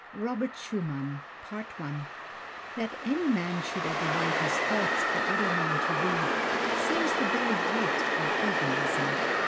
Robert Schumann ROBERT SCHUMANN That any man should ever write his thoughts for other men to read, seems the very height of egoism.